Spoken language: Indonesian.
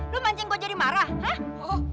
lo mancing gue jadi marah hah